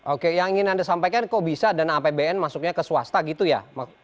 oke yang ingin anda sampaikan kok bisa dana apbn masuknya ke swasta gitu ya